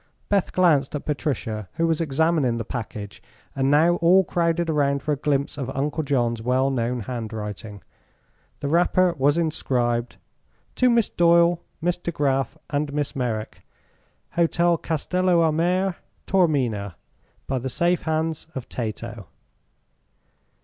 Beth glanced at Patricia, who was examining the package, and now all crowded around for a glimpse of Uncle John's well known handwriting. The wrapper was inscribed: "To Miss Doyle, Miss De Graf and Miss Merrick, Hotel Castello a Mare, Taormina. _By the safe hands of Tato."